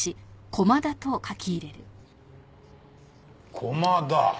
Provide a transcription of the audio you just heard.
駒田。